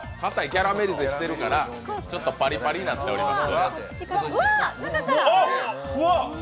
キャラメリゼしてるからちょっとパリパリになってます。